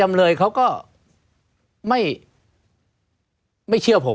ไม่มีครับไม่มีครับ